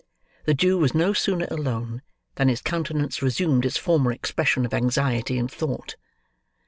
The Jew was no sooner alone, than his countenance resumed its former expression of anxiety and thought.